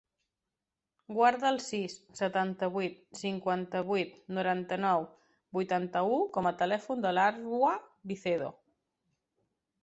Guarda el sis, setanta-vuit, cinquanta-vuit, noranta-nou, vuitanta-u com a telèfon de l'Arwa Vicedo.